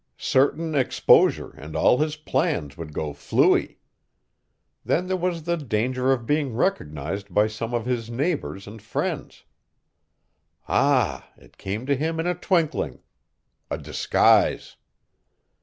Certain exposure and all his plans would go flui! Then there was the danger of being recognized by some of his neighbors and friends. Ah! it came to him in a twinkling. A disguise!